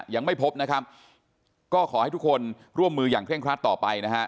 ยังไม่พบนะครับก็ขอให้ทุกคนร่วมมืออย่างเคร่งครัดต่อไปนะฮะ